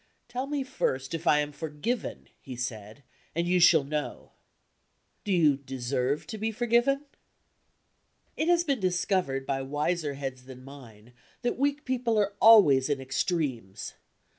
"Tell me first if I am forgiven," he said "and you shall know." "Do you deserve to be forgiven?" It has been discovered by wiser heads than mine that weak people are always in extremes.